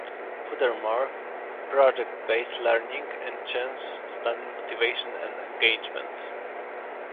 Furthermore, project-based learning enhances student motivation and engagement.